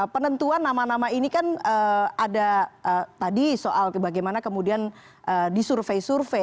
penentuan nama nama ini kan ada tadi soal bagaimana kemudian disurvey survey